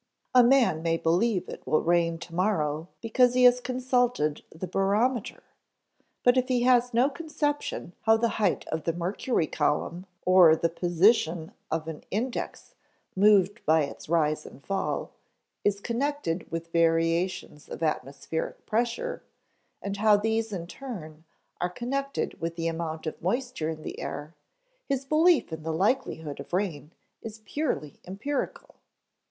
A man may believe it will rain to morrow because he has consulted the barometer; but if he has no conception how the height of the mercury column (or the position of an index moved by its rise and fall) is connected with variations of atmospheric pressure, and how these in turn are connected with the amount of moisture in the air, his belief in the likelihood of rain is purely empirical.